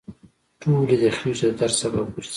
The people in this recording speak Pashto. ټولې د خېټې د درد سبب ګرځي.